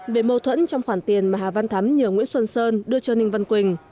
về mâu thuẫn trong khoản tiền mà hà văn thắm nhờ nguyễn xuân sơn đưa cho ninh văn quỳnh